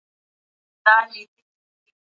د کتاب بریا هغه ته ډاډ ورکړ.